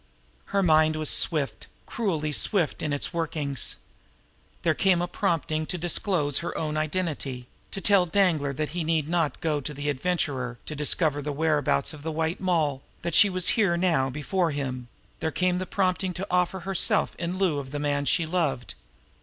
Her mind was swift, cruelly swift, in its workings now. There came the prompting to disclose her own identity to tell Danglar that he need not go to the Adventurer to discover the whereabouts of the White Moll, that she was here now before him; there came the prompting to offer herself in lieu of the man she loved.